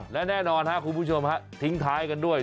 และแน่นอนครับคุณผู้ชมฮะทิ้งท้ายกันด้วย